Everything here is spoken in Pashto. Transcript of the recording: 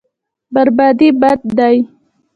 بربادي بد دی.